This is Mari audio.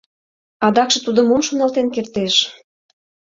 Адакше тудо мом шоналтен кертеш?